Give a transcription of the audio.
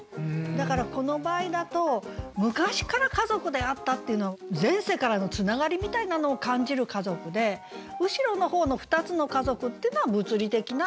だからこの場合だと「昔から家族であった」っていうの前世からのつながりみたいなのを感じる家族で後ろの方の「ふたつの家族」ってのは物理的な。